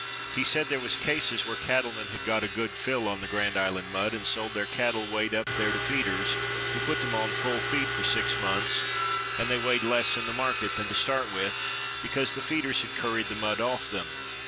He said there was cases where cattlemen had got a good fill on Grand Island mud and sold their cattle weighed up there to feeders who put them on full feed for six months and they weighed less in the market than to start with, because the feeders had curried the mud off them.